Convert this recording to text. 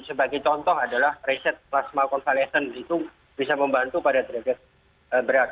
sebagai contoh adalah riset plasma konvalescent itu bisa membantu pada derajat berat